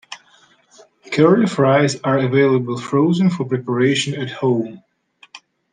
Curly fries are available frozen for preparation at home.